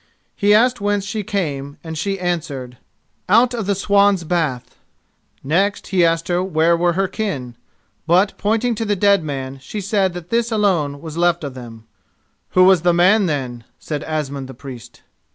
He asked whence she came, and she answered: "Out of the Swan's Bath." [*] The Norse goddess of the sea. Next, he asked her where were her kin. But, pointing to the dead man, she said that this alone was left of them. "Who was the man, then?" said Asmund the Priest.